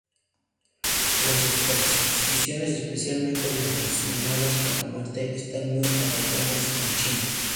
Las supersticiones, especialmente las relacionadas con la muerte, están muy arraigadas en China.